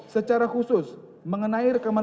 secara khusus mengenai rekaman